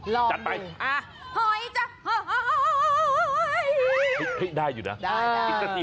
ลองดูหอยเจ้าที่หอย